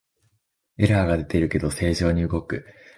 エラーが出てるけど正常に動く